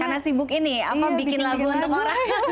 karena sibuk ini apa bikin lagu untuk orang